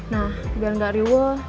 nah biar gak riwuh